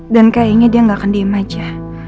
dan kayaknya dia gak akan diem aja